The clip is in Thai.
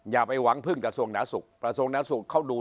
อย่าไปหวังพึ่งกระทรวงหน้าศุกร์ประทรวงหน้าศุกร์เขาดู